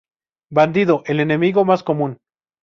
Bandido: El enemigo más común.